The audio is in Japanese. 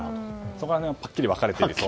そこら辺ははっきり分かれていると。